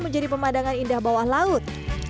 menjadi pemandangan indah bawah laut